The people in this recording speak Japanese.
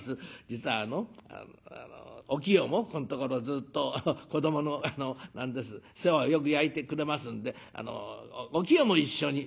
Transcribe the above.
実はあのお清もここんところずっと子どもの何です世話をよく焼いてくれますんであのお清も一緒に」。